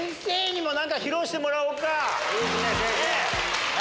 いいですね先生。